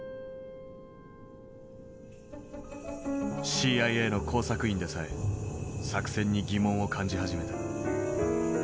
ＣＩＡの工作員でさえ作戦に疑問を感じ始めた。